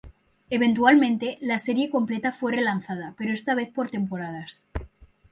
Eventualmente, la serie completa fue relanzada, pero esta vez por temporadas.